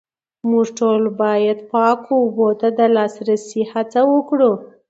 موږ ټول باید پاکو اوبو ته د لاسرسي هڅه وکړو